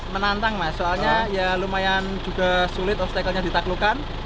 menantang mas soalnya lumayan juga sulit obstacle nya ditaklukan